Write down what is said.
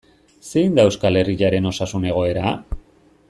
Zein da Euskal Herriaren osasun egoera?